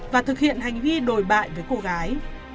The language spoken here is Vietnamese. và thực hiện hành vi đồi bại với cô gái